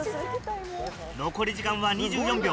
残り時間は２４秒。